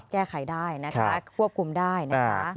แก้ไขได้นะคะควบคุมได้นะคะ